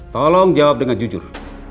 tolong jawab dengan jujur